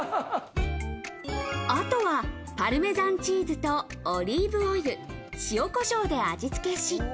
あとはパルメザンチーズとオリーブオイル、塩コショウで味つけし。